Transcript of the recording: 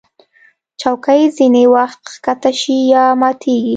چوکۍ ځینې وخت ښکته شي یا ماتېږي.